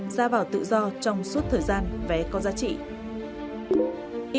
ra vào tự do trong suốt thời gian vé có giá trị